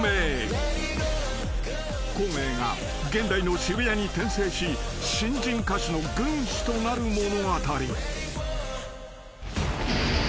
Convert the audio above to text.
［孔明が現代の渋谷に転生し新人歌手の軍師となる物語］